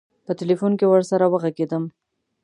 په تیلفون کې ورسره وږغېدم.